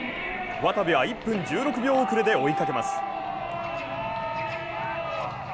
渡部は１分１６秒遅れで追いかけます。